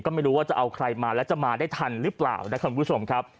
ก็ไม่รู้ว่าจะเอาใครมาแล้วจะมาได้ทันหรือเปล่านะครับคุณผู้ชมครับ